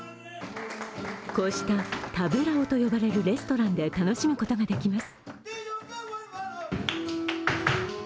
こうしたタブラオと呼ばれるレストランで楽しむことができます。